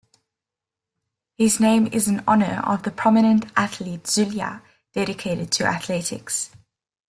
His name is in honor of a prominent athlete Zulia dedicated to athletics.